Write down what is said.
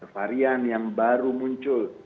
varian yang baru muncul